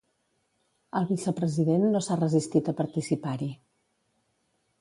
El vicepresident no s'ha resistit a participar-hi.